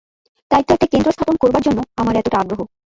তাই তো একটা কেন্দ্র স্থাপন করবার জন্য আমার এতটা আগ্রহ।